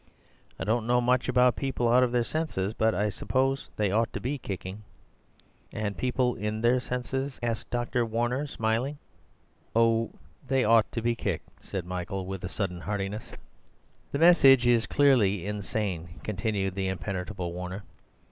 I don't know much about people out of their senses; but I suppose they ought to be kicking." "And people in their senses?" asked Warner, smiling. "Oh, they ought to be kicked," said Michael with sudden heartiness. "The message is clearly insane," continued the impenetrable Warner.